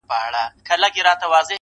که هر څو یې پښې تڼاکي په ځغستا کړې.!